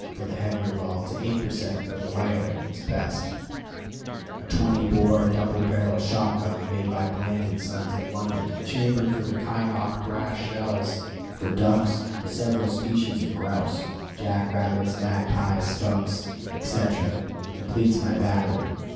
for the heavier ball, to eight per cent. for the lighter, is best. A 20 bore double barreled shot gun, made by Bland & Sons, of London (chambered for the Kynoch brass shell), for ducks, the several species of grouse, jack rabbits, magpies, skunks, etc., completes my battery.